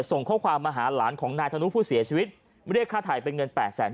ส่งข้อความมาหาหลานของนายธนุผู้เสียชีวิตเรียกค่าถ่ายเป็นเงินแปดแสน